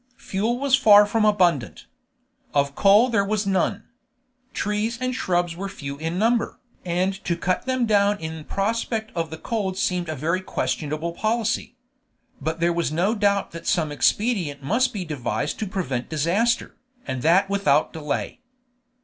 Fuel was far from abundant; of coal there was none; trees and shrubs were few in number, and to cut them down in prospect of the cold seemed a very questionable policy; but there was no doubt some expedient must be devised to prevent disaster, and that without delay.